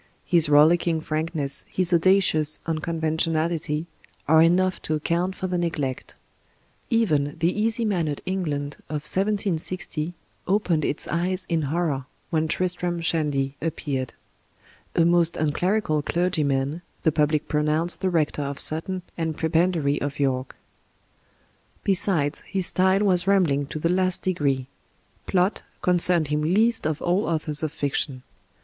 His rollicking frankness, his audacious unconventionality, are enough to account for the neglect. Even the easy mannered England of 1760 o^ned its eyes in horror when "Tristram Shandy" appeared. "A most un clerical clerg3rman," the public pronoimced the rector of Sutton and prebendary of York. Besides, his style was rambling to the last degree. Blot con cerned him least of all authors of fiction.